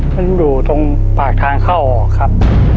มันอยู่ตรงปากทางเข้าออกครับ